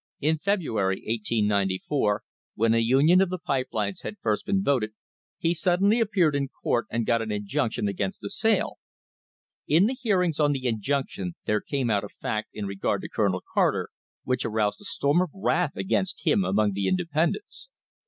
In February, 1894, when a union of the pipe lines had first been voted, he suddenly appeared in court and got an injunction against the sale. In the hearings on the injunction there came out a fact in re gard to Colonel Carter which aroused a storm of wrath against him among the independents.